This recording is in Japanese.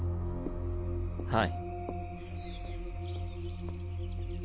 はい。